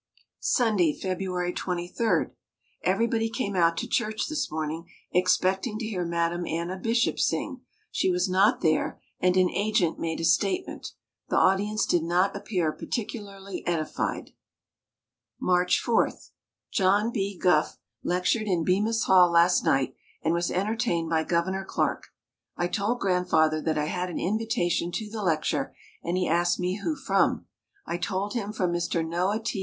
Sunday, February 23. Everybody came out to church this morning, expecting to hear Madame Anna Bishop sing. She was not there, and an "agent" made a "statement." The audience did not appear particularly edified. March 4. John B. Gough lectured in Bemis Hall last night and was entertained by Governor Clark. I told Grandfather that I had an invitation to the lecture and he asked me who from. I told him from Mr. Noah T.